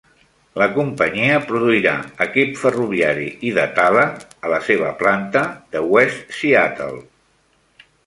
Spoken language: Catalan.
La companyia produirà equip ferroviari i de tala a la seva planta de West Seattle.